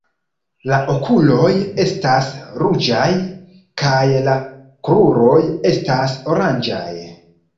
La okuloj estas ruĝaj kaj la kruroj estas oranĝaj.